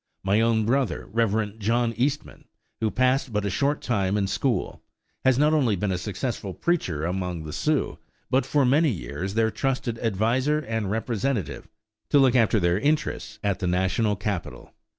My own brother, Rev. John Eastman, who passed but a short time in school, has not only been a successful preacher among the Sioux but for many years their trusted adviser and representative to look after their interests at the national capital.